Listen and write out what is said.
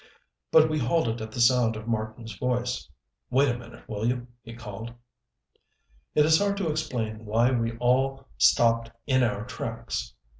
But we halted at the sound of Marten's voice. "Wait a minute, will you?" he called. It is hard to explain why we all stopped in our tracks.